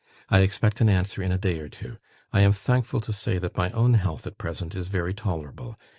I expect an answer in a day or two. I am thankful to say, that my own health at present is very tolerable.